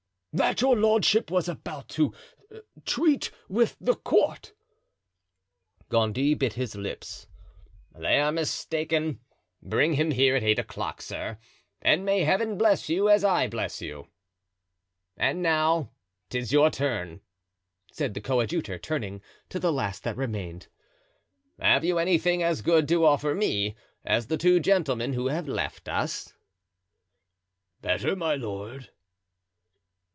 "That your lordship was about to treat with the court." Gondy bit his lips. "They are mistaken; bring him here at eight o'clock, sir, and may Heaven bless you as I bless you!" "And now 'tis your turn," said the coadjutor, turning to the last that remained; "have you anything as good to offer me as the two gentlemen who have left us?" "Better, my lord."